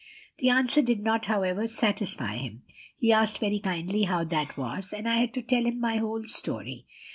The answer did not, however, satisfy him; he asked very kindly how that was, and I had to tell him my whole story.